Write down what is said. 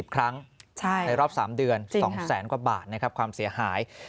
๑ครั้งในรอบ๓เดือน๒แสนกว่าบาทนะครับความเสียหาย